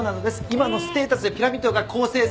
今のステータスでピラミッドが構成される。